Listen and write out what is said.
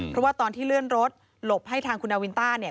เพราะว่าตอนที่เลื่อนรถหลบให้ทางคุณนาวินต้าเนี่ย